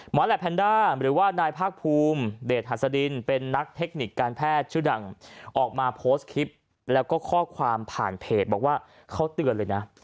แหลปแพนด้าหรือว่านายภาคภูมิเดชหัสดินเป็นนักเทคนิคการแพทย์ชื่อดังออกมาโพสต์คลิปแล้วก็ข้อความผ่านเพจบอกว่าเขาเตือนเลยนะ